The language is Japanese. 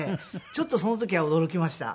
ちょっとその時は驚きました。